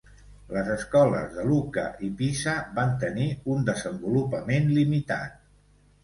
Les escoles de Lucca i Pisa van tenir un desenvolupament limitat.